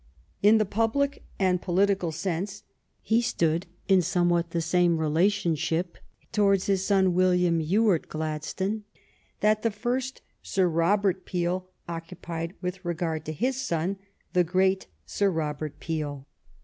In the public and political sense he stood in some what the same relationship towards his son William Ewart Gladstone that the first Sir Robert Peel oc cupied with regard to his son, the great Sir Robert Peel.